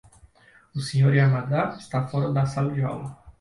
O Sr. Yamada está fora da sala de aula.